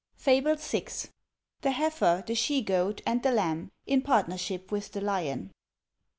FABLE VI. THE HEIFER, THE SHE GOAT, AND THE LAMB, IN PARTNERSHIP WITH THE LION.